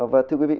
và thưa quý vị